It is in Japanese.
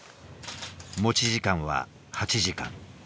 持ち時間は８時間。